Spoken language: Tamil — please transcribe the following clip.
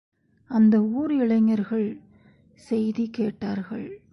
அந்த ஊர் இளைஞர்கள் செய்தி கேட்டார்கள்.